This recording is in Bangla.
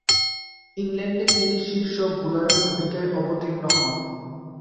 ইংল্যান্ডে তিনি শীর্ষ বোলারের ভূমিকায় অবতীর্ণ হন।